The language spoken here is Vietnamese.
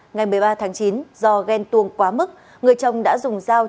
ngày một mươi ba tháng chín do ghen tuồng quá mức người chồng đã dùng dao